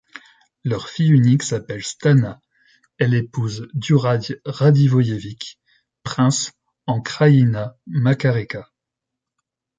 Leur fille unique s'appelle Stana; elle épouse Djuradj Radivojević, prince en Krajina Makareka.